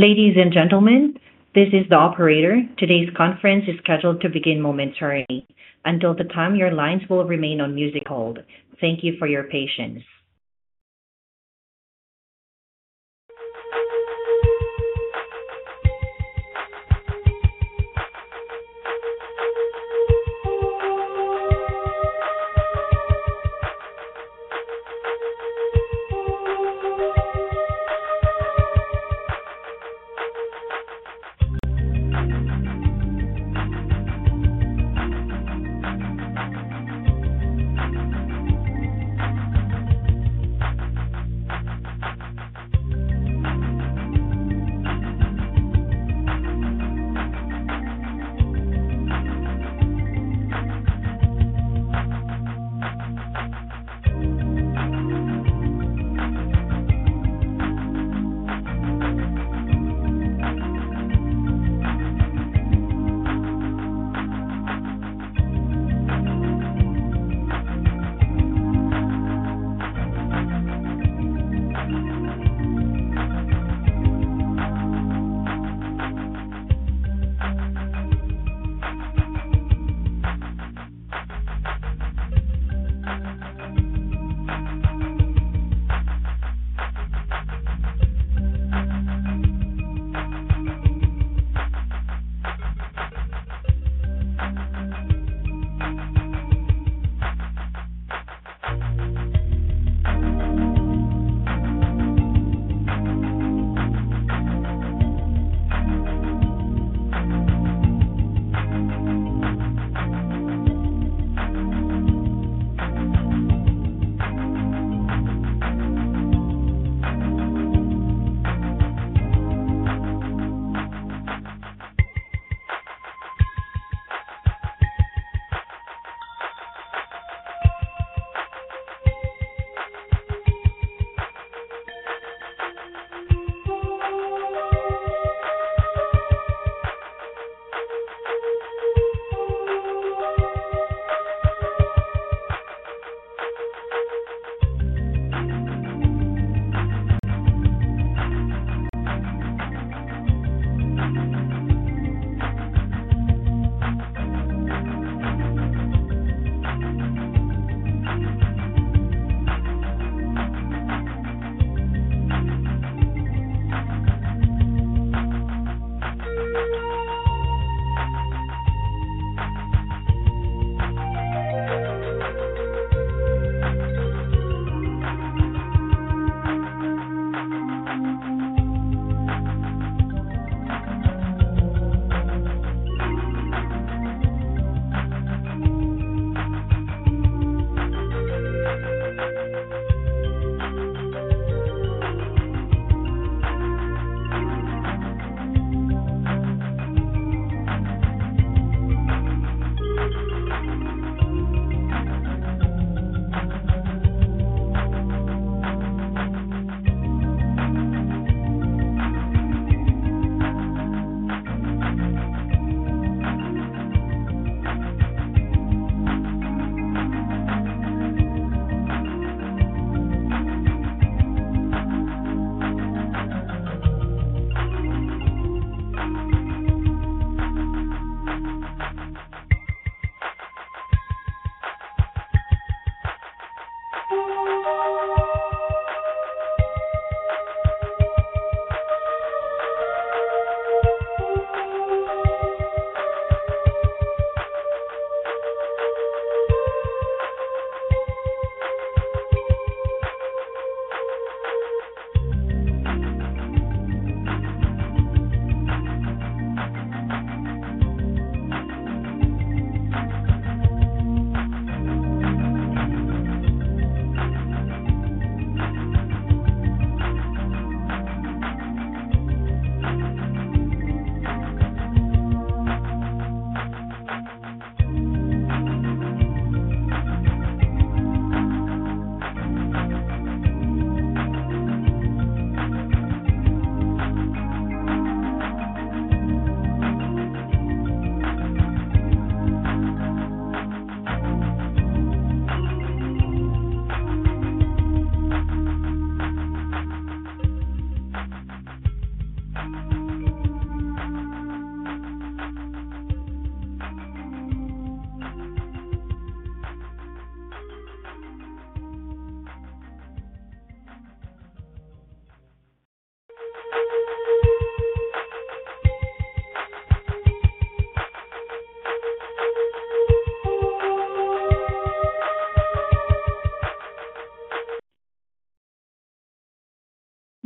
Ladies and gentlemen, this is the operator. Today's conference is scheduled to begin momentarily. Until the time, your lines will remain on music hold. Thank you for your patience.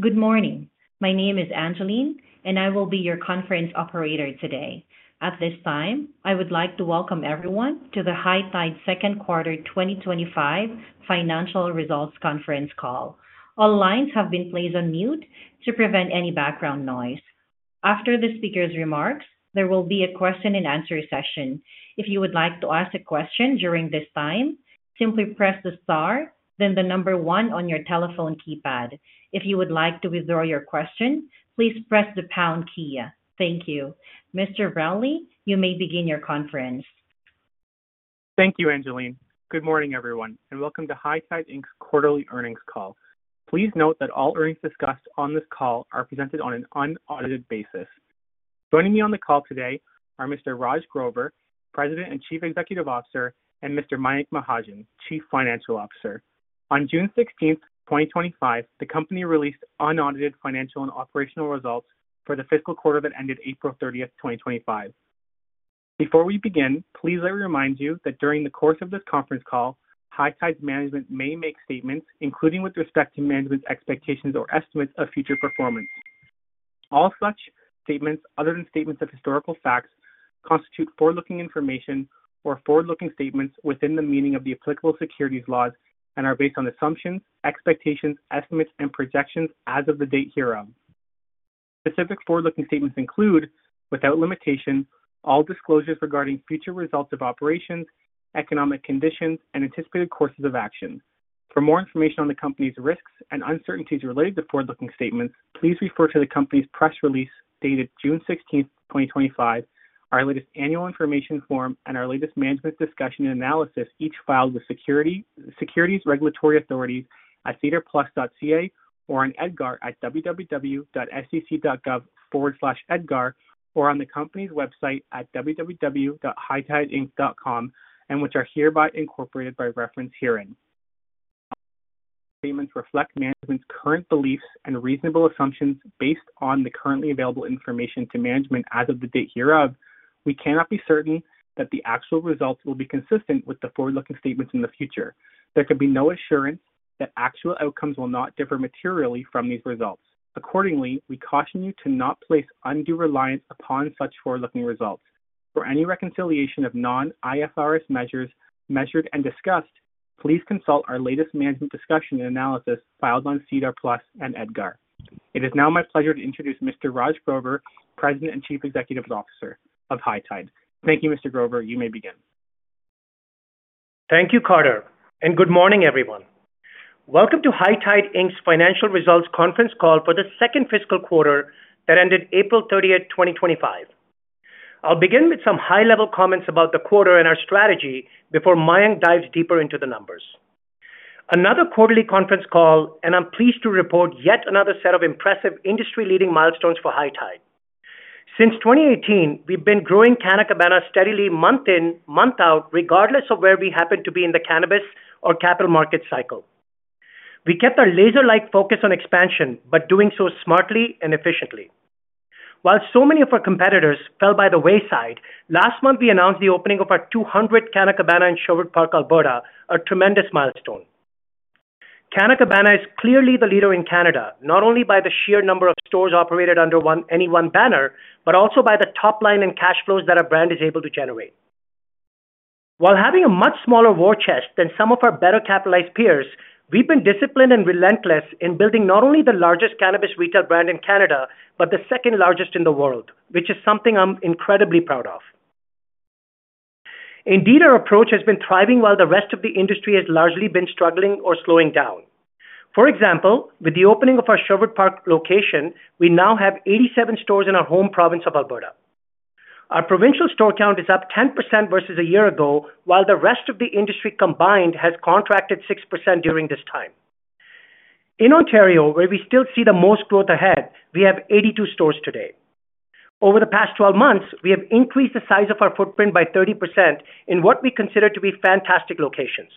Good morning. My name is Angeline, and I will be your conference operator today. At this time, I would like to welcome everyone to the High Tide Second Quarter 2025 Financial Results Conference Call. All lines have been placed on mute to prevent any background noise. After the speaker's remarks, there will be a question-and-answer session. If you would like to ask a question during this time, simply press the star, then the number one on your telephone keypad. If you would like to withdraw your question, please press the pound key. Thank you. Mr. Brownlee, you may begin your conference. Thank you, Angeline. Good morning, everyone, and Welcome to High Tide's Quarterly Earnings Call. Please note that all earnings discussed on this call are presented on an unaudited basis. Joining me on the call today are Mr. Raj Grover, President and Chief Executive Officer, and Mr. Mayank Mahajan, Chief Financial Officer. On June 16, 2025, the company released unaudited financial and operational results for the fiscal quarter that ended April 30th, 2025. Before we begin, please let me remind you that during the course of this conference call, High Tide's management may make statements, including with respect to management's expectations or estimates of future performance. All such statements, other than statements of historical facts, constitute forward-looking information or forward-looking statements within the meaning of the applicable securities laws and are based on assumptions, expectations, estimates, and projections as of the date hereof. Specific forward-looking statements include, without limitation, all disclosures regarding future results of operations, economic conditions, and anticipated courses of action. For more information on the company's risks and uncertainties related to forward-looking statements, please refer to the company's press release dated June 16, 2025, our latest annual information form, and our latest management discussion and analysis each filed with securities regulatory authorities at sedarplus.ca or on EDGAR at www.sec.gov/edgar or on the company's website at www.hightideinc.com, and which are hereby incorporated by reference herein. Statements reflect management's current beliefs and reasonable assumptions based on the currently available information to management as of the date hereof. We cannot be certain that the actual results will be consistent with the forward-looking statements in the future. There could be no assurance that actual outcomes will not differ materially from these results. Accordingly, we caution you to not place undue reliance upon such forward-looking results. For any reconciliation of non-IFRS measures measured and discussed, please consult our latest management discussion and analysis filed on SEDAR+ and EDGAR. It is now my pleasure to introduce Mr. Raj Grover, President and Chief Executive Officer of High Tide. Thank you, Mr. Grover. You may begin. Thank you, Carter. Good morning, everyone. Welcome to High Tide's Financial Results Conference Call for the second fiscal quarter that ended April 30th, 2025. I'll begin with some high-level comments about the quarter and our strategy before Mayank dives deeper into the numbers. Another quarterly conference call, and I'm pleased to report yet another set of impressive industry-leading milestones for High Tide. Since 2018, we've been growing cannabis steadily month in, month out, regardless of where we happen to be in the cannabis or capital markets cycle. We kept our laser-like focus on expansion, but doing so smartly and efficiently. While so many of our competitors fell by the wayside, last month we announced the opening of our 200th cannabis banner in Sherwood Park, Alberta, a tremendous milestone. Canna Cabana is clearly the leader in Canada, not only by the sheer number of stores operated under any one banner, but also by the top line and cash flows that our brand is able to generate. While having a much smaller war chest than some of our better-capitalized peers, we've been disciplined and relentless in building not only the largest cannabis retail brand in Canada, but the second largest in the world, which is something I'm incredibly proud of. Indeed, our approach has been thriving while the rest of the industry has largely been struggling or slowing down. For example, with the opening of our Sherwood Park location, we now have 87 stores in our home province of Alberta. Our provincial store count is up 10% versus a year ago, while the rest of the industry combined has contracted 6% during this time. In Ontario, where we still see the most growth ahead, we have 82 stores today. Over the past 12 months, we have increased the size of our footprint by 30% in what we consider to be fantastic locations.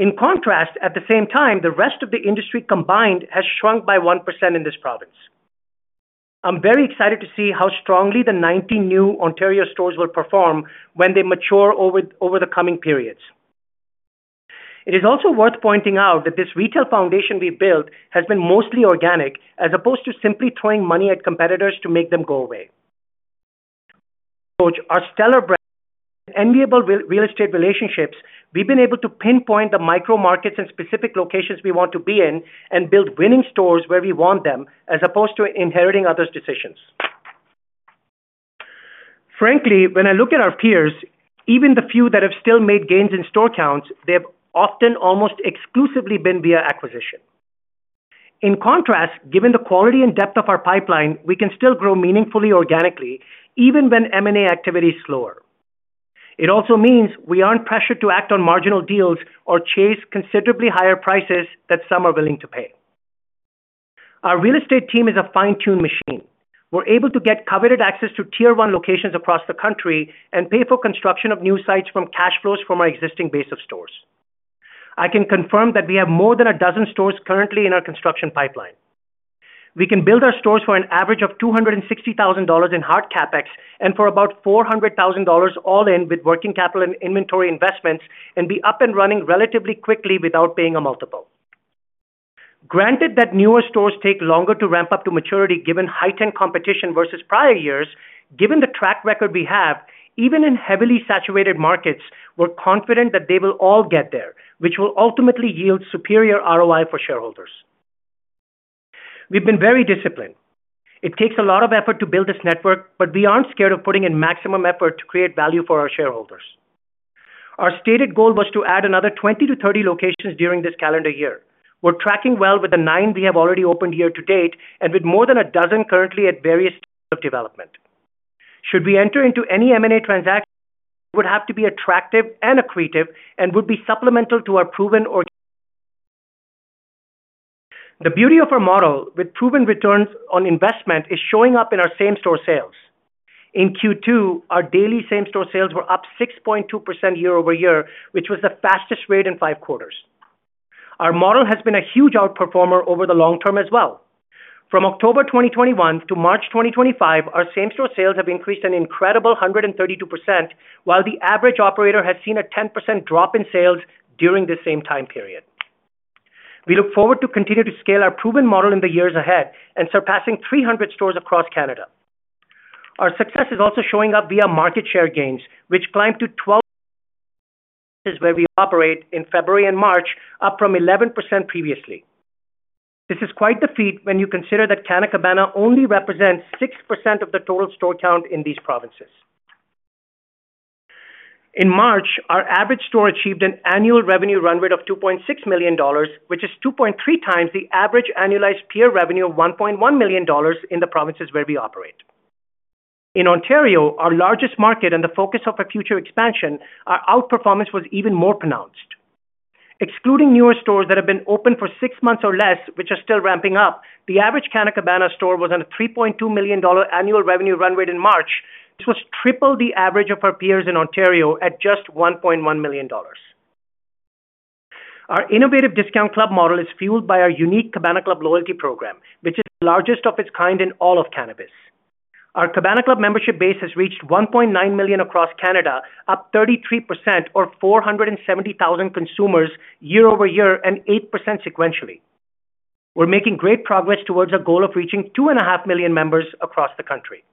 In contrast, at the same time, the rest of the industry combined has shrunk by 1% in this province. I'm very excited to see how strongly the 90 new Ontario stores will perform when they mature over the coming periods. It is also worth pointing out that this retail foundation we've built has been mostly organic, as opposed to simply throwing money at competitors to make them go away. Our stellar brand and enviable real estate relationships, we've been able to pinpoint the micro-markets and specific locations we want to be in and build winning stores where we want them, as opposed to inheriting others' decisions. Frankly, when I look at our peers, even the few that have still made gains in store counts, they have often almost exclusively been via acquisition. In contrast, given the quality and depth of our pipeline, we can still grow meaningfully organically, even when M&A activity is slower. It also means we aren't pressured to act on marginal deals or chase considerably higher prices that some are willing to pay. Our real estate team is a fine-tuned machine. We're able to get coveted access to tier-one locations across the country and pay for construction of new sites from cash flows from our existing base of stores. I can confirm that we have more than a dozen stores currently in our construction pipeline. We can build our stores for an average of 260,000 dollars in hard CapEx and for about 400,000 dollars all-in with working capital and inventory investments and be up and running relatively quickly without paying a multiple. Granted that newer stores take longer to ramp up to maturity given High Tide competition versus prior years, given the track record we have, even in heavily saturated markets, we're confident that they will all get there, which will ultimately yield superior ROI for shareholders. We've been very disciplined. It takes a lot of effort to build this network, but we aren't scared of putting in maximum effort to create value for our shareholders. Our stated goal was to add another 20-30 locations during this calendar year. We're tracking well with the nine we have already opened year to date and with more than a dozen currently at various stages of development. Should we enter into any M&A transaction, it would have to be attractive and accretive and would be supplemental to our proven orchestra. The beauty of our model with proven returns on investment is showing up in our same-store sales. In Q2, our daily same-store sales were up 6.2% year-over-year, which was the fastest rate in five quarters. Our model has been a huge outperformer over the long term as well. From October 2021 to March 2025, our same-store sales have increased an incredible 132%, while the average operator has seen a 10% drop in sales during this same time period. We look forward to continue to scale our proven model in the years ahead and surpassing 300 stores across Canada. Our success is also showing up via market share gains, which climbed to 12% where we operate in February and March, up from 11% previously. This is quite the feat when you consider that Canna Cabana only represents 6% of the total store count in these provinces. In March, our average store achieved an annual revenue run rate of 2.6 million dollars, which is 2.3x the average annualized peer revenue of 1.1 million dollars in the provinces where we operate. In Ontario, our largest market and the focus of our future expansion, our outperformance was even more pronounced. Excluding newer stores that have been open for six months or less, which are still ramping up, the average Canna Cabana store was on a 3.2 million dollar annual revenue run rate in March. This was triple the average of our peers in Ontario at just 1.1 million dollars. Our innovative discount club model is fueled by our unique Cabana Club loyalty program, which is the largest of its kind in all of cannabis. Our Cabana Club membership base has reached 1.9 million across Canada, up 33% or 470,000 consumers year-over-year and 8% sequentially. We're making great progress towards our goal of reaching 2.5 million members across the country.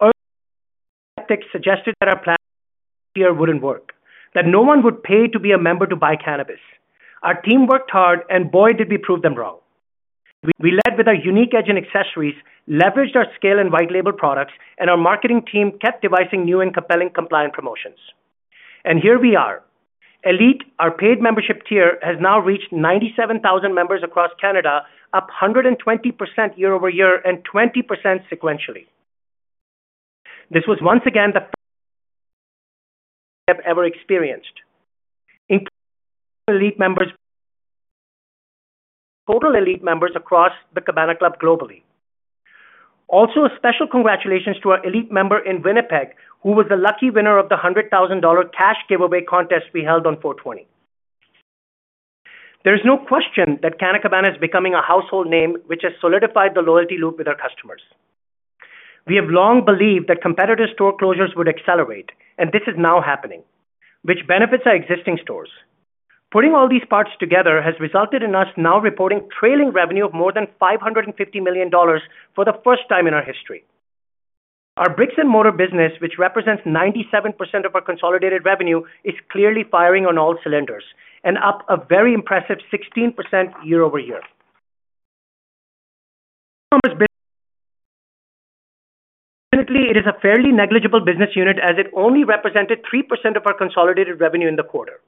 Early tactics suggested that our plan here would not work, that no one would pay to be a member to buy cannabis. Our team worked hard, and boy, did we prove them wrong. We led with our unique edge and accessories, leveraged our scale and white label products, and our marketing team kept devising new and compelling compliant promotions. Here we are. ELITE, our paid membership tier, has now reached 97,000 members across Canada, up 120% year-over-year and 20% sequentially. This was once again the best we have ever experienced, including ELITE members, total ELITE members across the Cabana Club globally. Also, a special congratulations to our ELITE member in Winnipeg, who was the lucky winner of the 100,000 dollar cash giveaway contest we held on 4/20. There is no question that cannabis is becoming a household name, which has solidified the loyalty loop with our customers. We have long believed that competitors' store closures would accelerate, and this is now happening, which benefits our existing stores. Putting all these parts together has resulted in us now reporting trailing revenue of more than 550 million dollars for the first time in our history. Our brick-and-mortar business, which represents 97% of our consolidated revenue, is clearly firing on all cylinders and up a very impressive 16% year-over-year. Definitely, it is a fairly negligible business unit as it only represented 3% of our consolidated revenue in the quarter.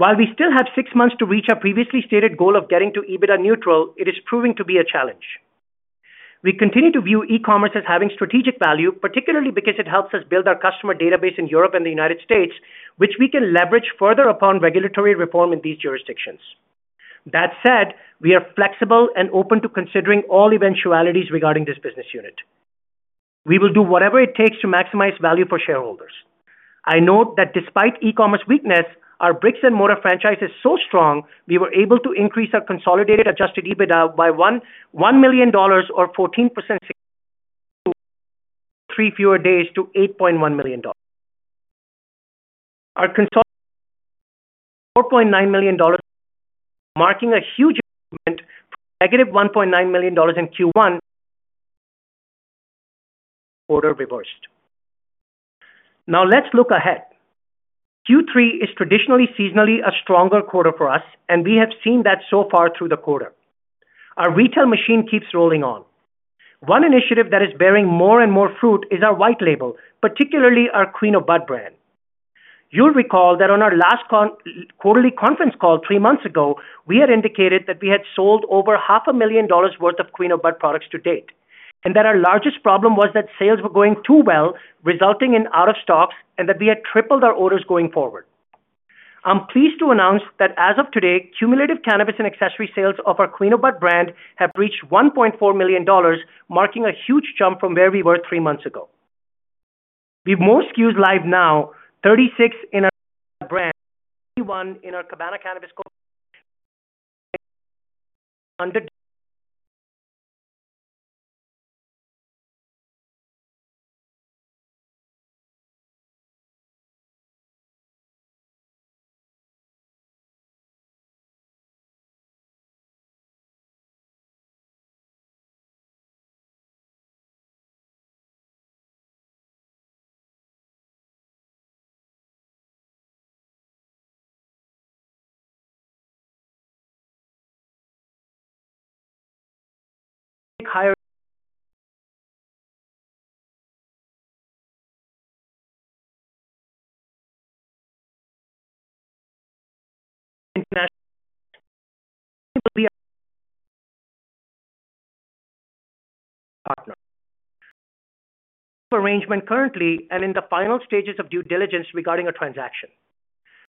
While we still have six months to reach our previously stated goal of getting to EBITDA neutral, it is proving to be a challenge. We continue to view e-commerce as having strategic value, particularly because it helps us build our customer database in Europe and the United States, which we can leverage further upon regulatory reform in these jurisdictions. That said, we are flexible and open to considering all eventualities regarding this business unit. We will do whatever it takes to maximize value for shareholders. I note that despite e-commerce weakness, our brick-and-mortar franchise is so strong, we were able to increase our consolidated adjusted EBITDA by 1 million dollars or 14% to three fewer days to 8.1 million dollars. Our consolidated 4.9 million dollars marking a huge improvement from -1.9 million dollars in Q1, quarter reversed. Now let's look ahead. Q3 is traditionally seasonally a stronger quarter for us, and we have seen that so far through the quarter. Our retail machine keeps rolling on. One initiative that is bearing more and more fruit is our white label, particularly our Queen of Bud brand. You'll recall that on our last quarterly conference call three months ago, we had indicated that we had sold over 500,000 dollars worth of Queen of Bud products to date, and that our largest problem was that sales were going too well, resulting in out of stocks, and that we had tripled our orders going forward. I'm pleased to announce that as of today, cumulative cannabis and accessory sales of our Queen of Bud brand have reached 1.4 million dollars, marking a huge jump from where we were three months ago. We've more SKUs live now, 36 in our brand, 21 in our Cabana Cannabis Co. co-op, under partner arrangement currently and in the final stages of due diligence regarding our transaction.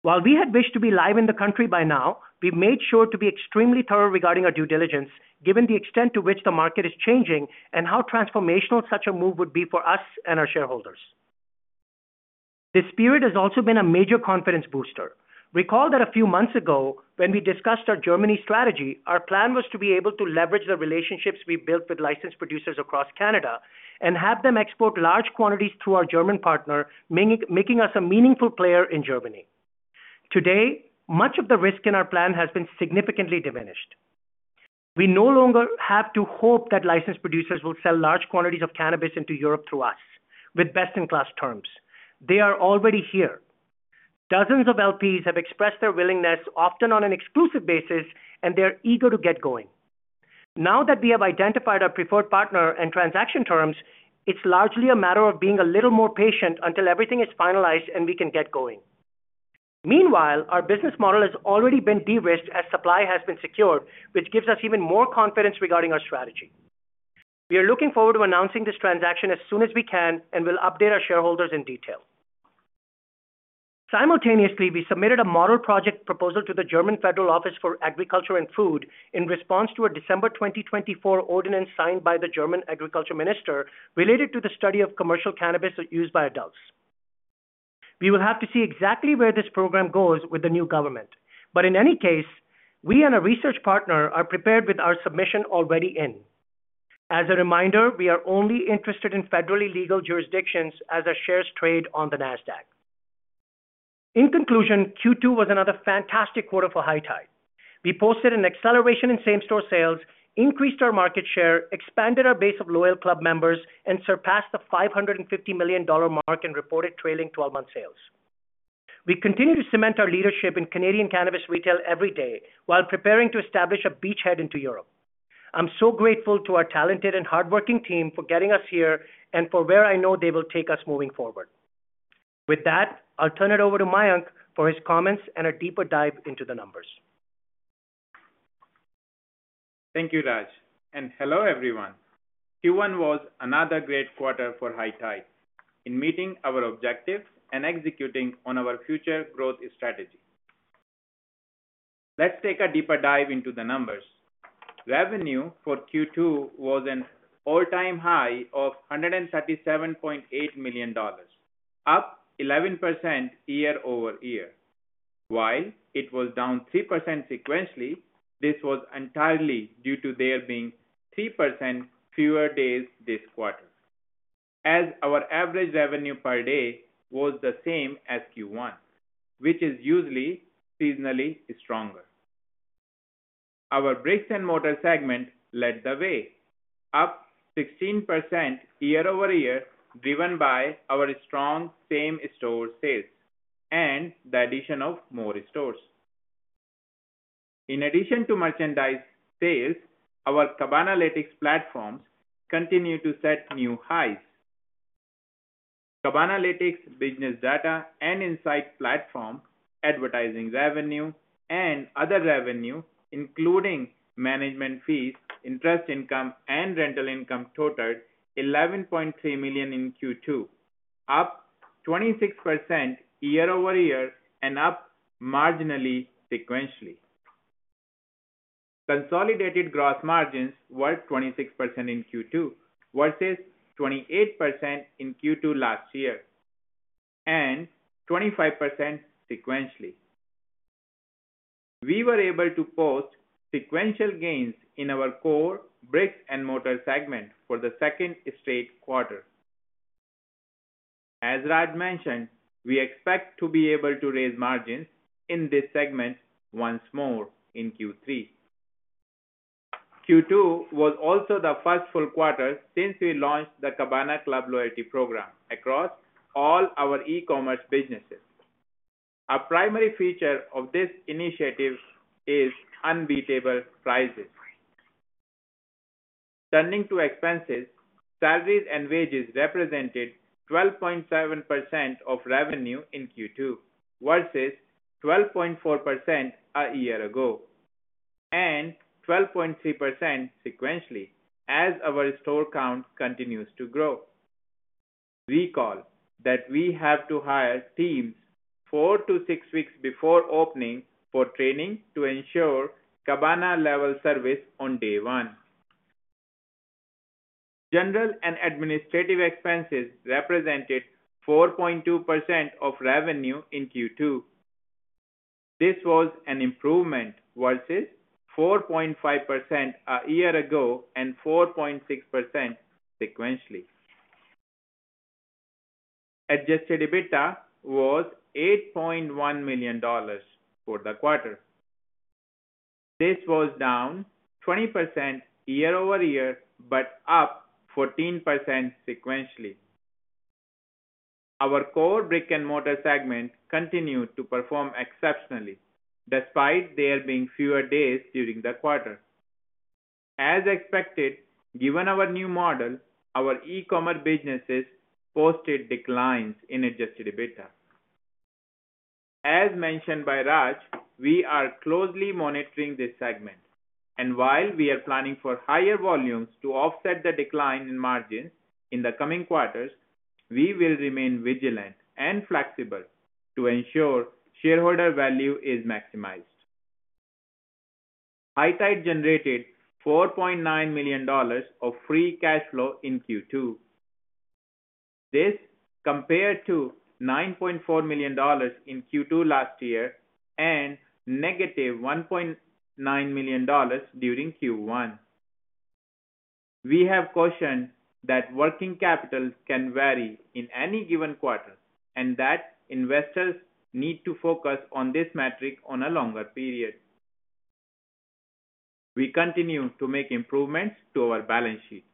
While we had wished to be live in the country by now, we've made sure to be extremely thorough regarding our due diligence, given the extent to which the market is changing and how transformational such a move would be for us and our shareholders. This period has also been a major confidence booster. Recall that a few months ago, when we discussed our Germany strategy, our plan was to be able to leverage the relationships we built with licensed producers across Canada and have them export large quantities through our German partner, making us a meaningful player in Germany. Today, much of the risk in our plan has been significantly diminished. We no longer have to hope that licensed producers will sell large quantities of cannabis into Europe through us with best-in-class terms. They are already here. Dozens of LPs have expressed their willingness, often on an exclusive basis, and they're eager to get going. Now that we have identified our preferred partner and transaction terms, it's largely a matter of being a little more patient until everything is finalized and we can get going. Meanwhile, our business model has already been de-risked as supply has been secured, which gives us even more confidence regarding our strategy. We are looking forward to announcing this transaction as soon as we can and will update our shareholders in detail. Simultaneously, we submitted a model project proposal to the German Federal Office for Agriculture and Food in response to a December 2024 ordinance signed by the German Agriculture Minister related to the study of commercial cannabis used by adults. We will have to see exactly where this program goes with the new government, but in any case, we and a research partner are prepared with our submission already in. As a reminder, we are only interested in federally legal jurisdictions as our shares trade on the Nasdaq. In conclusion, Q2 was another fantastic quarter for High Tide. We posted an acceleration in same-store sales, increased our market share, expanded our base of loyal club members, and surpassed the 550 million dollar mark and reported trailing 12-month sales. We continue to cement our leadership in Canadian cannabis retail every day while preparing to establish a beachhead into Europe. I'm so grateful to our talented and hardworking team for getting us here and for where I know they will take us moving forward. With that, I'll turn it over to Mayank for his comments and a deeper dive into the numbers. Thank you, Raj. And hello, everyone. Q1 was another great quarter for High Tide in meeting our objectives and executing on our future growth strategy. Let's take a deeper dive into the numbers. Revenue for Q2 was an all-time high of 137.8 million dollars, up 11% year-over-year. While it was down 3% sequentially, this was entirely due to there being 3% fewer days this quarter, as our average revenue per day was the same as Q1, which is usually seasonally stronger. Our brick-and-mortar segment led the way, up 16% year-over-year, driven by our strong same-store sales and the addition of more stores. In addition to merchandise sales, our Cabanalytics platforms continue to set new highs. Cabanalytics business data and insight platform advertising revenue and other revenue, including management fees, interest income, and rental income totaled 11.3 million in Q2, up 26% year-over-year and up marginally sequentially. Consolidated gross margins were 26% in Q2 versus 28% in Q2 last year and 25% sequentially. We were able to post sequential gains in our core brick-and-mortar segment for the second straight quarter. As Raj mentioned, we expect to be able to raise margins in this segment once more in Q3. Q2 was also the first full quarter since we launched the Cabana Club loyalty program across all our e-commerce businesses. A primary feature of this initiative is unbeatable prices. Turning to expenses, salaries and wages represented 12.7% of revenue in Q2 versus 12.4% a year ago and 12.3% sequentially as our store count continues to grow. Recall that we have to hire teams four to six weeks before opening for training to ensure Cabana-level service on day one. General and administrative expenses represented 4.2% of revenue in Q2. This was an improvement versus 4.5% a year ago and 4.6% sequentially. Adjusted EBITDA was 8.1 million dollars for the quarter. This was down 20% year-over-year but up 14% sequentially. Our core brick-and-mortar segment continued to perform exceptionally despite there being fewer days during the quarter. As expected, given our new model, our e-commerce businesses posted declines in adjusted EBITDA. As mentioned by Raj, we are closely monitoring this segment, and while we are planning for higher volumes to offset the decline in margins in the coming quarters, we will remain vigilant and flexible to ensure shareholder value is maximized. High Tide generated 4.9 million dollars of free cash flow in Q2. This compared to 9.4 million dollars in Q2 last year and -1.9 million dollars during Q1. We have cautioned that working capital can vary in any given quarter and that investors need to focus on this metric on a longer period. We continue to make improvements to our balance sheet.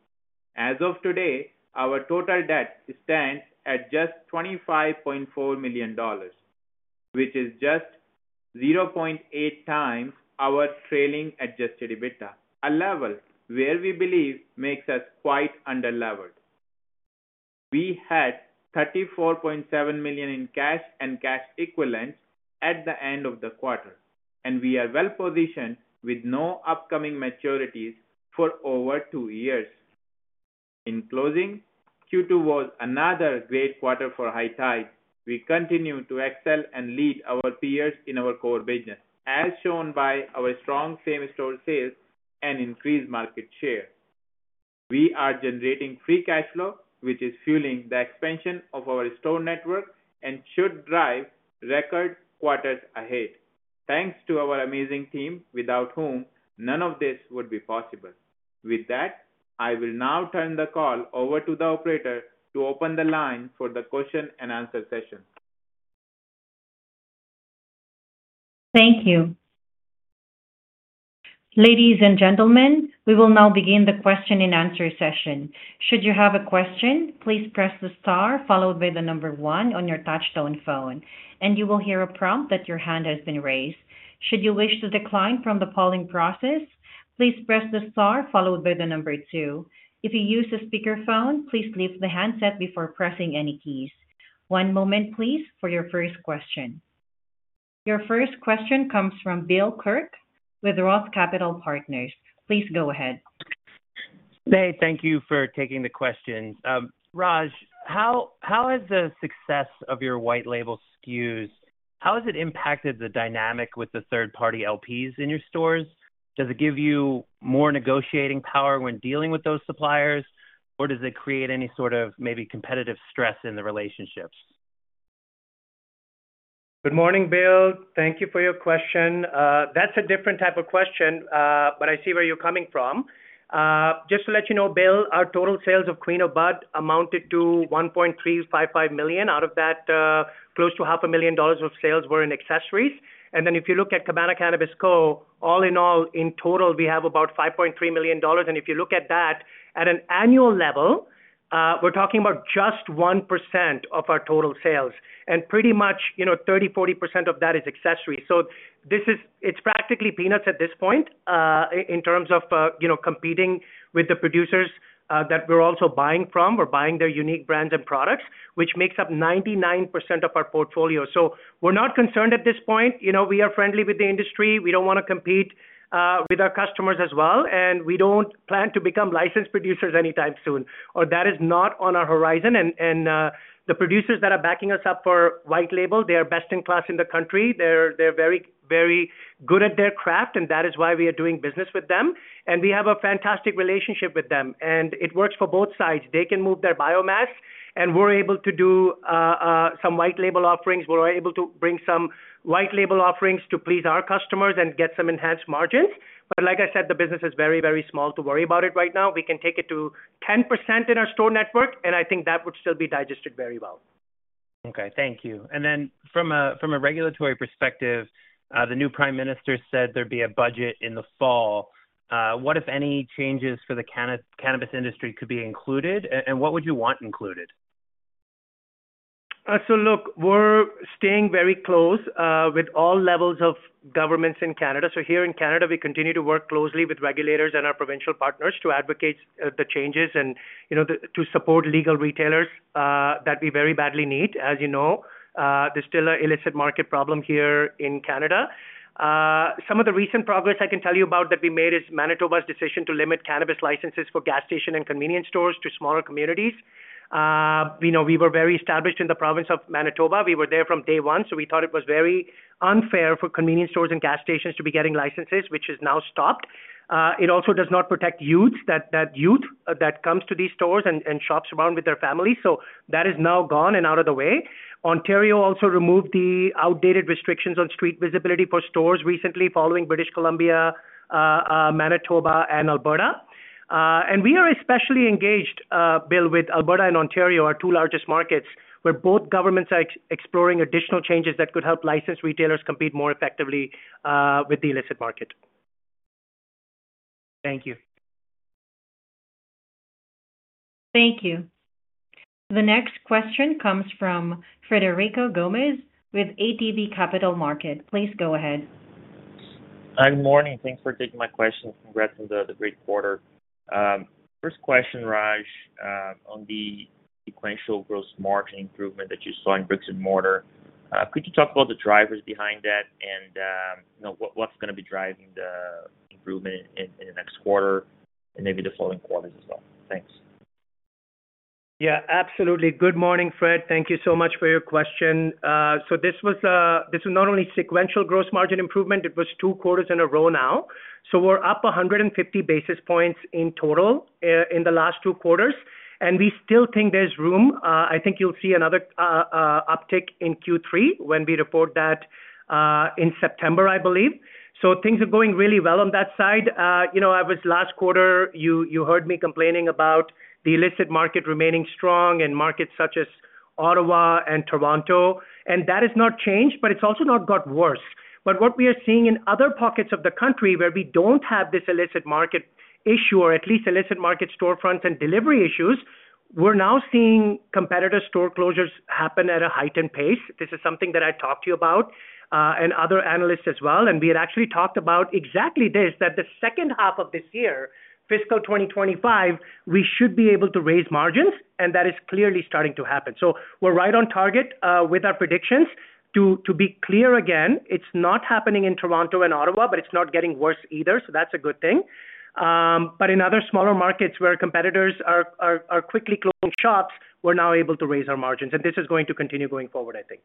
As of today, our total debt stands at just 25.4 million dollars, which is just 0.8x our trailing adjusted EBITDA, a level where we believe makes us quite underleveled. We had 34.7 million in cash and cash equivalents at the end of the quarter, and we are well positioned with no upcoming maturities for over two years. In closing, Q2 was another great quarter for High Tide. We continue to excel and lead our peers in our core business, as shown by our strong same-store sales and increased market share. We are generating free cash flow, which is fueling the expansion of our store network and should drive record quarters ahead thanks to our amazing team, without whom none of this would be possible. With that, I will now turn the call over to the operator to open the line for the question and answer session. Thank you. Ladies and gentlemen, we will now begin the question and answer session. Should you have a question, please press the star followed by the number one on your touchstone phone, and you will hear a prompt that your hand has been raised. Should you wish to decline from the polling process, please press the star followed by the number two. If you use a speakerphone, please leave the handset before pressing any keys. One moment, please, for your first question. Your first question comes from Bill Kirk with ROTH Capital Partners. Please go ahead. Hey, thank you for taking the question. Raj, how has the success of your white label SKUs, how has it impacted the dynamic with the third-party LPs in your stores? Does it give you more negotiating power when dealing with those suppliers, or does it create any sort of maybe competitive stress in the relationships? Good morning, Bill. Thank you for your question. That's a different type of question, but I see where you're coming from. Just to let you know, Bill, our total sales of Queen of Bud amounted to 1.355 million. Out of that, close to 500,000 dollars of sales were in accessories. If you look at Cabana Cannabis Co, all in all, in total, we have about 5.3 million dollars. If you look at that at an annual level, we're talking about just 1% of our total sales, and pretty much 30%-40% of that is accessories. It's practically peanuts at this point in terms of competing with the producers that we're also buying from. We're buying their unique brands and products, which makes up 99% of our portfolio. We're not concerned at this point. We are friendly with the industry. We do not want to compete with our customers as well, and we do not plan to become licensed producers anytime soon, or that is not on our horizon. The producers that are backing us up for white label, they are best in class in the country. They are very, very good at their craft, and that is why we are doing business with them. We have a fantastic relationship with them, and it works for both sides. They can move their biomass, and we are able to do some white label offerings. We are able to bring some white label offerings to please our customers and get some enhanced margins. Like I said, the business is very, very small to worry about it right now. We can take it to 10% in our store network, and I think that would still be digested very well. Okay, thank you. From a regulatory perspective, the new Prime Minister said there would be a budget in the fall. What, if any, changes for the cannabis industry could be included, and what would you want included? Look, we are staying very close with all levels of governments in Canada. Here in Canada, we continue to work closely with regulators and our provincial partners to advocate the changes and to support legal retailers that we very badly need. As you know, there is still an illicit market problem here in Canada. Some of the recent progress I can tell you about that we made is Manitoba's decision to limit cannabis licenses for gas station and convenience stores to smaller communities. We were very established in the province of Manitoba. We were there from day one, so we thought it was very unfair for convenience stores and gas stations to be getting licenses, which is now stopped. It also does not protect youth, that youth that comes to these stores and shops around with their families. That is now gone and out of the way. Ontario also removed the outdated restrictions on street visibility for stores recently following British Columbia, Manitoba, and Alberta. We are especially engaged, Bill, with Alberta and Ontario, our two largest markets, where both governments are exploring additional changes that could help licensed retailers compete more effectively with the illicit market. Thank you. Thank you. The next question comes from Frederico Gomes with ATB Capital Markets. Please go ahead. Good morning. Thanks for taking my question. Congrats on the great quarter. First question, Raj, on the sequential gross margin improvement that you saw in brick-and-mortar. Could you talk about the drivers behind that and what's going to be driving the improvement in the next quarter and maybe the following quarters as well? Thanks. Yeah, absolutely. Good morning, Fred. Thank you so much for your question. So this was not only sequential gross margin improvement, it was two quarters in a row now. So we're up 150 basis points in total in the last two quarters, and we still think there's room. I think you'll see another uptick in Q3 when we report that in September, I believe. Things are going really well on that side. Last quarter, you heard me complaining about the illicit market remaining strong in markets such as Ottawa and Toronto. That has not changed, but it's also not got worse. What we are seeing in other pockets of the country where we do not have this illicit market issue, or at least illicit market storefronts and delivery issues, we are now seeing competitor store closures happen at a heightened pace. This is something that I talked to you about and other analysts as well. We had actually talked about exactly this, that the second half of this year, fiscal 2025, we should be able to raise margins, and that is clearly starting to happen. We are right on target with our predictions. To be clear again, it is not happening in Toronto and Ottawa, but it is not getting worse either, so that is a good thing. In other smaller markets where competitors are quickly closing shops, we are now able to raise our margins, and this is going to continue going forward, I think.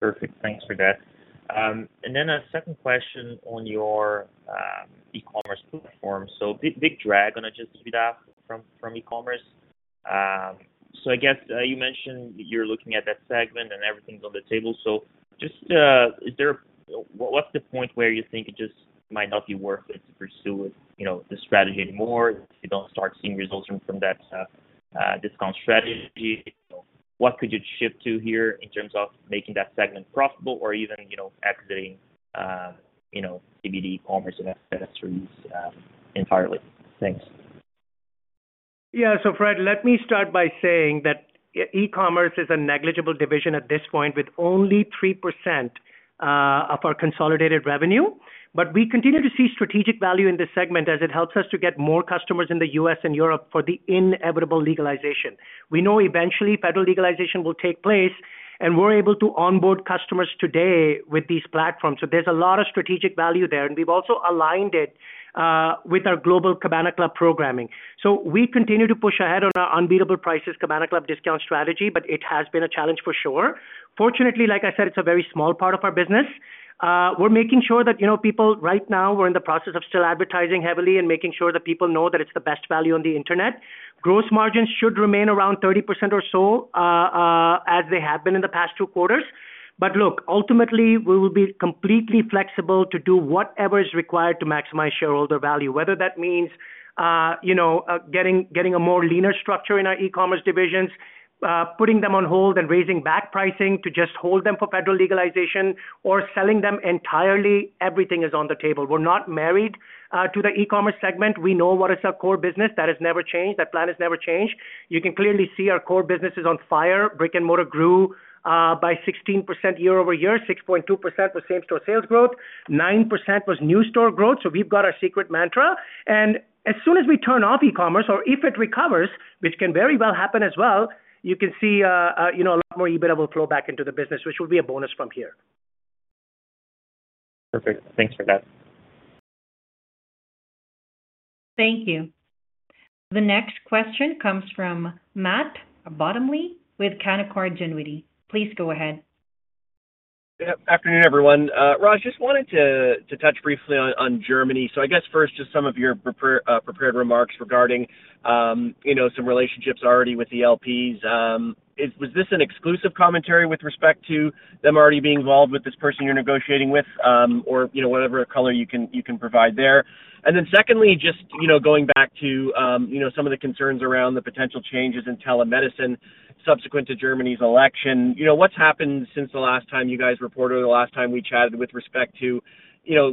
Perfect. Thanks for that. Then a second question on your e-commerce platform. Big drag on agility from e-commerce. I guess you mentioned you're looking at that segment and everything's on the table. Just what's the point where you think it just might not be worth it to pursue the strategy anymore if you don't start seeing results from that discount strategy? What could you shift to here in terms of making that segment profitable or even exiting CBD e-commerce and accessories entirely? Thanks. Yeah. Fred, let me start by saying that e-commerce is a negligible division at this point with only 3% of our consolidated revenue. We continue to see strategic value in this segment as it helps us to get more customers in the U.S. and Europe for the inevitable legalization. We know eventually federal legalization will take place, and we're able to onboard customers today with these platforms. There is a lot of strategic value there, and we've also aligned it with our global Cabana Club programming. We continue to push ahead on our unbeatable prices Cabana Club discount strategy, but it has been a challenge for sure. Fortunately, like I said, it is a very small part of our business. We're making sure that people right now, we're in the process of still advertising heavily and making sure that people know that it is the best value on the internet. Gross margins should remain around 30% or so as they have been in the past two quarters. Look, ultimately, we will be completely flexible to do whatever is required to maximize shareholder value, whether that means getting a more leaner structure in our e-commerce divisions, putting them on hold and raising back pricing to just hold them for federal legalization or selling them entirely. Everything is on the table. We're not married to the e-commerce segment. We know what is our core business. That has never changed. That plan has never changed. You can clearly see our core business is on fire. Brick-and-mortar grew by 16% year-over-year. 6.2% was same-store sales growth. 9% was new store growth. We've got our secret mantra. As soon as we turn off e-commerce, or if it recovers, which can very well happen as well, you can see a lot more EBITDA will flow back into the business, which will be a bonus from here. Perfect. Thanks for that. Thank you. The next question comes from Matt Bottomley with Canaccord Genuity. Please go ahead. Good afternoon, everyone. Raj, just wanted to touch briefly on Germany. I guess first, just some of your prepared remarks regarding some relationships already with the LPs. Was this an exclusive commentary with respect to them already being involved with this person you're negotiating with or whatever color you can provide there? Secondly, just going back to some of the concerns around the potential changes in telemedicine subsequent to Germany's election, what's happened since the last time you guys reported or the last time we chatted with respect to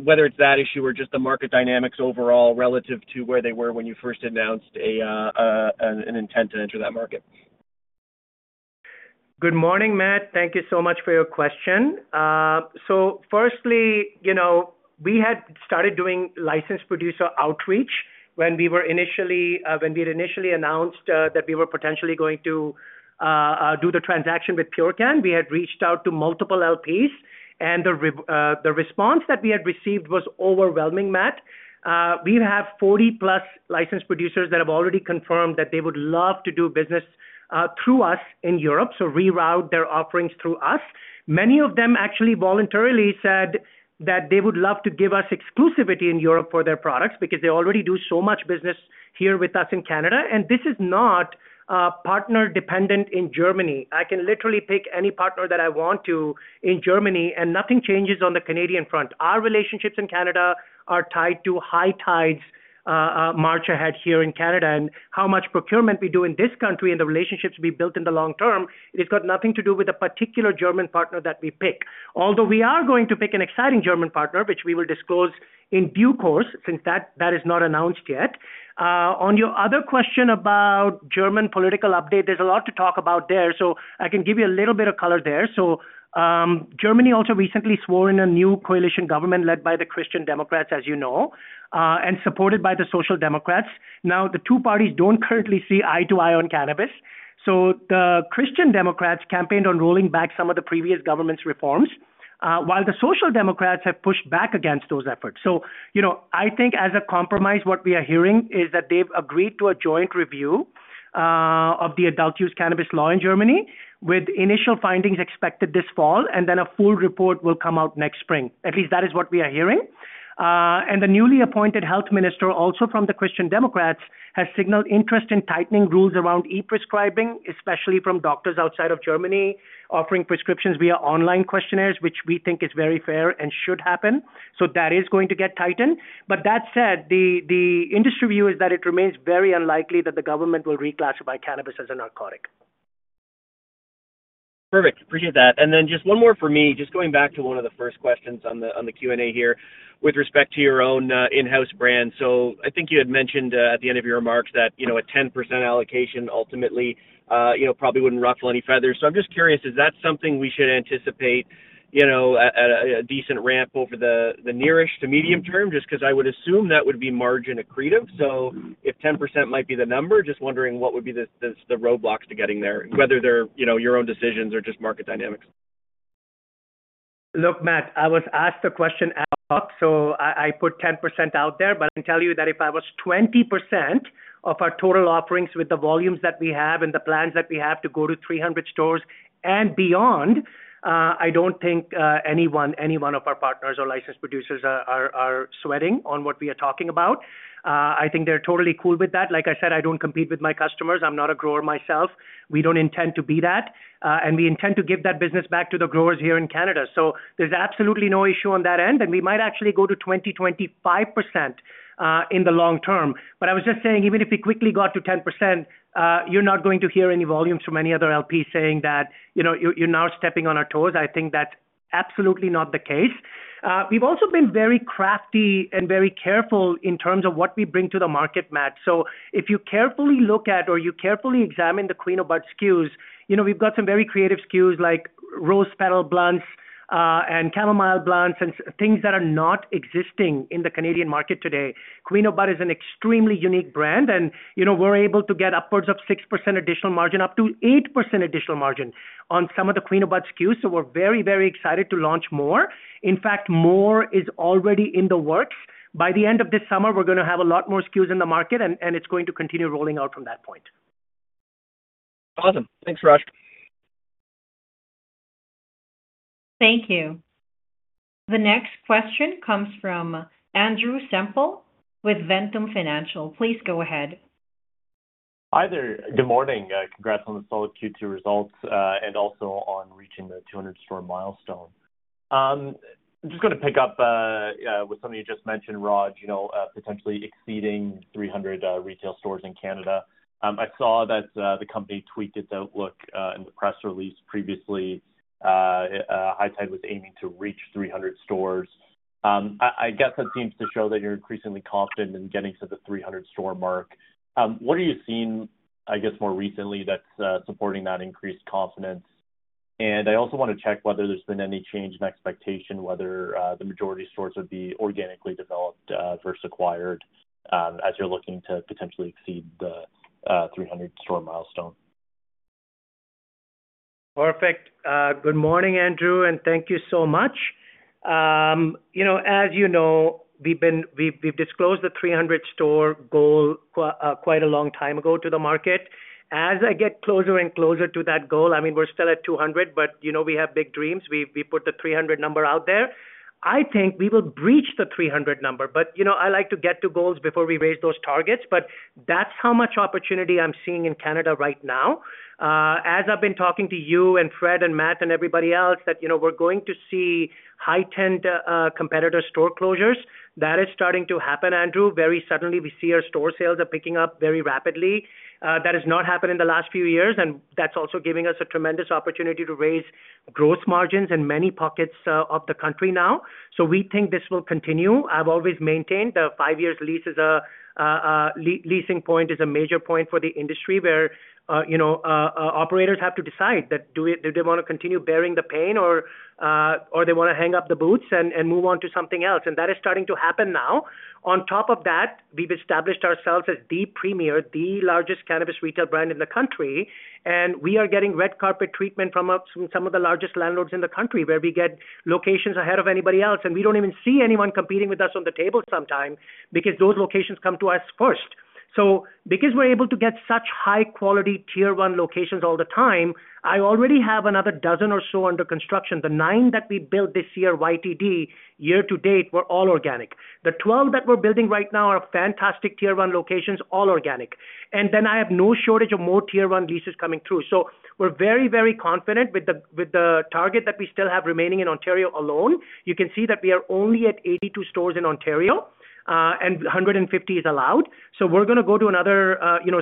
whether it's that issue or just the market dynamics overall relative to where they were when you first announced an intent to enter that market? Good morning, Matt. Thank you so much for your question. Firstly, we had started doing licensed producer outreach when we had initially announced that we were potentially going to do the transaction with Purecan. We had reached out to multiple LPs, and the response that we had received was overwhelming, Matt. We have 40+ licensed producers that have already confirmed that they would love to do business through us in Europe, so reroute their offerings through us. Many of them actually voluntarily said that they would love to give us exclusivity in Europe for their products because they already do so much business here with us in Canada. This is not partner-dependent in Germany. I can literally pick any partner that I want to in Germany, and nothing changes on the Canadian front. Our relationships in Canada are tied to High Tide's march ahead here in Canada. How much procurement we do in this country and the relationships we build in the long term has got nothing to do with a particular German partner that we pick. Although we are going to pick an exciting German partner, which we will disclose in due course since that is not announced yet. On your other question about the German political update, there is a lot to talk about there. I can give you a little bit of color there. Germany also recently swore in a new coalition government led by the Christian Democrats, as you know, and supported by the Social Democrats. Now, the two parties do not currently see eye to eye on cannabis. The Christian Democrats campaigned on rolling back some of the previous government's reforms, while the Social Democrats have pushed back against those efforts. I think as a compromise, what we are hearing is that they have agreed to a joint review of the adult use cannabis law in Germany with initial findings expected this fall, and then a full report will come out next spring. At least that is what we are hearing. The newly appointed health minister, also from the Christian Democrats, has signaled interest in tightening rules around e-prescribing, especially from doctors outside of Germany offering prescriptions via online questionnaires, which we think is very fair and should happen. That is going to get tightened. That said, the industry view is that it remains very unlikely that the government will reclassify cannabis as a narcotic. Perfect. Appreciate that. Just one more for me, just going back to one of the first questions on the Q&A here with respect to your own in-house brand. I think you had mentioned at the end of your remarks that a 10% allocation ultimately probably would not ruffle any feathers. I am just curious, is that something we should anticipate at a decent ramp over the nearest to medium term? Just because I would assume that would be margin accretive. If 10% might be the number, just wondering what would be the roadblocks to getting there, whether they are your own decisions or just market dynamics. Look, Matt, I was asked the question out, so I put 10% out there, but I can tell you that if I was 20% of our total offerings with the volumes that we have and the plans that we have to go to 300 stores and beyond, I do not think any one of our partners or licensed producers are sweating on what we are talking about. I think they are totally cool with that. Like I said, I don't compete with my customers. I'm not a grower myself. We don't intend to be that, and we intend to give that business back to the growers here in Canada. There is absolutely no issue on that end, and we might actually go to 20%-25% in the long term. I was just saying, even if we quickly got to 10%, you're not going to hear any volumes from any other LP saying that you're now stepping on our toes. I think that's absolutely not the case. We've also been very crafty and very careful in terms of what we bring to the market, Matt. If you carefully look at or you carefully examine the Queen of Bud SKUs, we've got some very creative SKUs like rose petal blunts and chamomile blunts and things that are not existing in the Canadian market today. Queen of Bud is an extremely unique brand, and we're able to get upwards of 6% additional margin, up to 8% additional margin on some of the Queen of Bud SKUs. So we're very, very excited to launch more. In fact, more is already in the works. By the end of this summer, we're going to have a lot more SKUs in the market, and it's going to continue rolling out from that point. Awesome. Thanks, Raj. Thank you. The next question comes from Andrew Semple with Ventum Financial. Please go ahead. Hi there. Good morning. Congrats on the solid Q2 results and also on reaching the 200-store milestone. I'm just going to pick up with something you just mentioned, Raj, potentially exceeding 300 retail stores in Canada. I saw that the company tweaked its outlook in the press release previously. High Tide was aiming to reach 300 stores. I guess that seems to show that you're increasingly confident in getting to the 300-store mark. What are you seeing, I guess, more recently that's supporting that increased confidence? I also want to check whether there's been any change in expectation, whether the majority of stores would be organically developed versus acquired as you're looking to potentially exceed the 300-store milestone. Perfect. Good morning, Andrew, and thank you so much. As you know, we've disclosed the 300-store goal quite a long time ago to the market. As I get closer and closer to that goal, I mean, we're still at 200, but we have big dreams. We put the 300 number out there. I think we will breach the 300 number, but I like to get to goals before we raise those targets. That is how much opportunity I'm seeing in Canada right now. As I've been talking to you and Fred and Matt and everybody else that we're going to see heightened competitor store closures, that is starting to happen, Andrew. Very suddenly, we see our store sales are picking up very rapidly. That has not happened in the last few years, and that's also giving us a tremendous opportunity to raise gross margins in many pockets of the country now. We think this will continue. I've always maintained the five-year leasing point is a major point for the industry where operators have to decide that do they want to continue bearing the pain or they want to hang up the boots and move on to something else. That is starting to happen now. On top of that, we've established ourselves as the premier, the largest cannabis retail brand in the country, and we are getting red carpet treatment from some of the largest landlords in the country where we get locations ahead of anybody else. We do not even see anyone competing with us on the table sometimes because those locations come to us first. Because we're able to get such high-quality tier-one locations all the time, I already have another dozen or so under construction. The nine that we built this year, year to date, were all organic. The 12 that we're building right now are fantastic tier-one locations, all organic. I have no shortage of more tier-one leases coming through. We are very, very confident with the target that we still have remaining in Ontario alone. You can see that we are only at 82 stores in Ontario, and 150 is allowed. We are going to go to another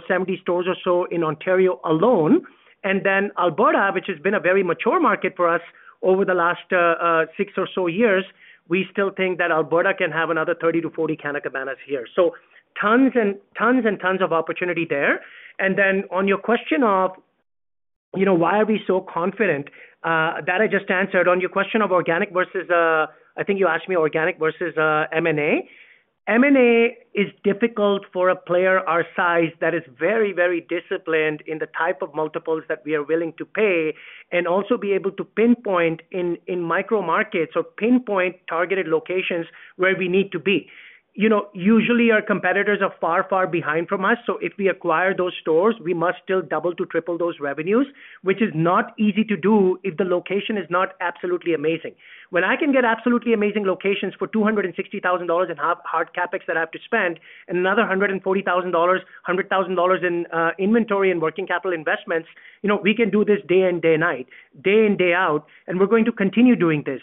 70 stores or so in Ontario alone. Alberta, which has been a very mature market for us over the last six or so years, we still think that Alberta can have another 30-40 Canna Cabanas here. Tons and tons of opportunity there. On your question of why are we so confident, that I just answered on your question of organic versus, I think you asked me organic versus M&A. M&A is difficult for a player our size that is very, very disciplined in the type of multiples that we are willing to pay and also be able to pinpoint in micro markets or pinpoint targeted locations where we need to be. Usually, our competitors are far, far behind from us. If we acquire those stores, we must still double to triple those revenues, which is not easy to do if the location is not absolutely amazing. When I can get absolutely amazing locations for 260,000 dollars in hard CapEx that I have to spend and another 140,000 dollars, 100,000 dollars in inventory and working capital investments, we can do this day in, day out, and we are going to continue doing this.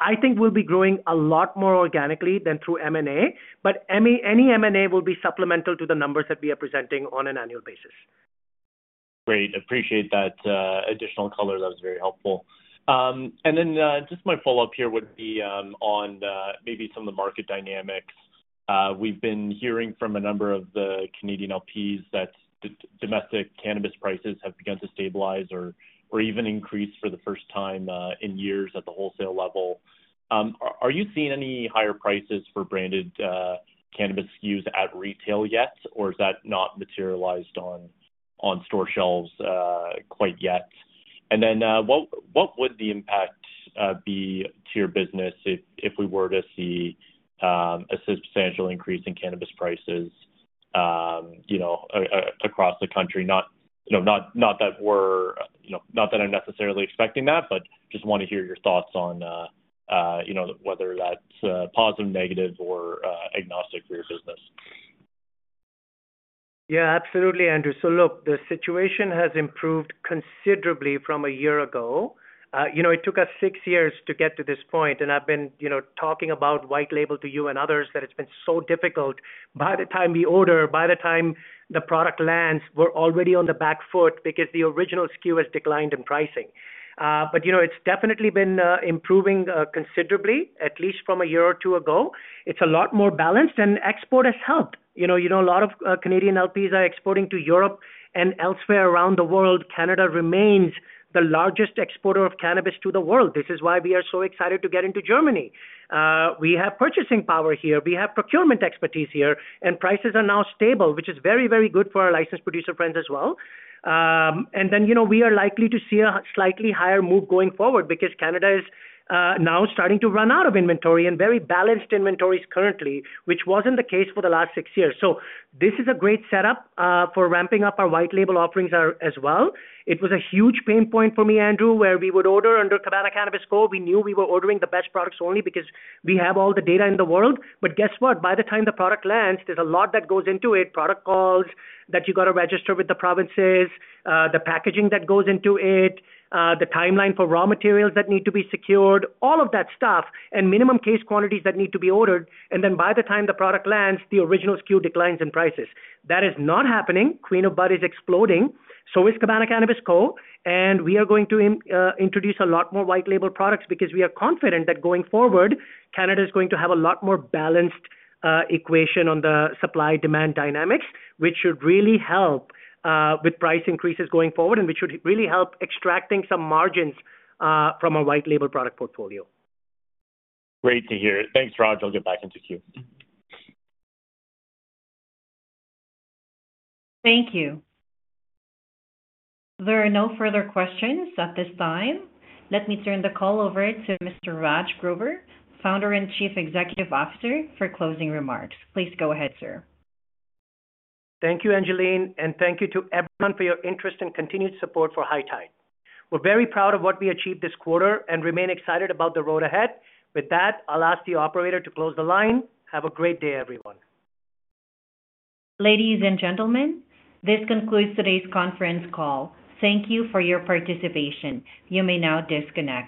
I think we will be growing a lot more organically than through M&A, but any M&A will be supplemental to the numbers that we are presenting on an annual basis. Great. Appreciate that additional color. That was very helpful. Just my follow-up here would be on maybe some of the market dynamics. We've been hearing from a number of the Canadian LPs that domestic cannabis prices have begun to stabilize or even increase for the first time in years at the wholesale level. Are you seeing any higher prices for branded cannabis SKUs at retail yet, or has that not materialized on store shelves quite yet? What would the impact be to your business if we were to see a substantial increase in cannabis prices across the country? Not that I'm necessarily expecting that, but just want to hear your thoughts on whether that's positive, negative, or agnostic for your business. Yeah, absolutely, Andrew. The situation has improved considerably from a year ago. It took us six years to get to this point, and I've been talking about White Label to you and others that it's been so difficult by the time we order, by the time the product lands, we're already on the back foot because the original SKU has declined in pricing. It's definitely been improving considerably, at least from a year or two ago. It's a lot more balanced, and export has helped. A lot of Canadian LPs are exporting to Europe and elsewhere around the world. Canada remains the largest exporter of cannabis to the world. This is why we are so excited to get into Germany. We have purchasing power here. We have procurement expertise here, and prices are now stable, which is very, very good for our licensed producer friends as well. We are likely to see a slightly higher move going forward because Canada is now starting to run out of inventory and very balanced inventories currently, which was not the case for the last six years. This is a great setup for ramping up our White Label offerings as well. It was a huge pain point for me, Andrew, where we would order under Cabana Cannabis Co. We knew we were ordering the best products only because we have all the data in the world. But guess what? By the time the product lands, there is a lot that goes into it: product calls that you have to register with the provinces, the packaging that goes into it, the timeline for raw materials that need to be secured, all of that stuff, and minimum case quantities that need to be ordered. By the time the product lands, the original SKU declines in prices. That is not happening. Queen of Bud is exploding. So is Cabana Cannabis Co. We are going to introduce a lot more white label products because we are confident that going forward, Canada is going to have a lot more balanced equation on the supply-demand dynamics, which should really help with price increases going forward and which should really help extracting some margins from our white label product portfolio. Great to hear it. Thanks, Raj. I'll get back into Q. Thank you. There are no further questions at this time. Let me turn the call over to Mr. Raj Grover, Founder and Chief Executive Officer, for closing remarks. Please go ahead, sir. Thank you, Angeline, and thank you to everyone for your interest and continued support for High Tide. We're very proud of what we achieved this quarter and remain excited about the road ahead. With that, I'll ask the operator to close the line. Have a great day, everyone. Ladies and gentlemen, this concludes today's conference call. Thank you for your participation. You may now disconnect.